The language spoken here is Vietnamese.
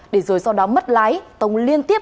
để rồi do đó mất lái tống liên tiếp